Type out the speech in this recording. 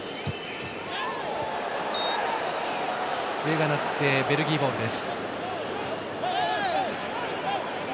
笛が鳴ってベルギーボールです。